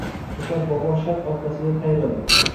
Oʼtar bobo shart orqasiga qayrildi.